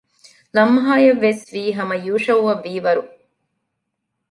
ލަމްހާއަށްވެސްވީ ހަމަ ޔޫޝައުއަށް ވީވަރު